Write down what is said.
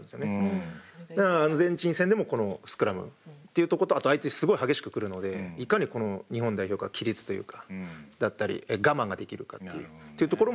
だからアルゼンチン戦でもこのスクラムっていうとことあと相手すごい激しく来るのでいかに日本代表が規律だったり我慢ができるかっていうところもすごい大事になってくると思います。